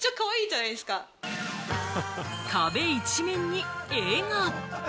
壁一面に絵が！